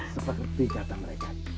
sepakerti kata mereka